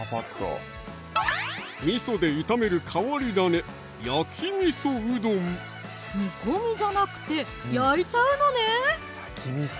味で炒める変わり種煮込みじゃなくて焼いちゃうのね